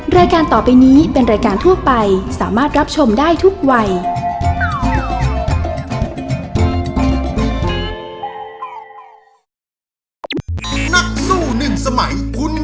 รายการต่อไปนี้เป็นรายการทั่วไปสามารถรับชมได้ทุกวัย